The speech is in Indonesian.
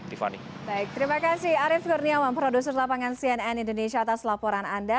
terima kasih arief kurniawan produser lapangan cnn indonesia atas laporan anda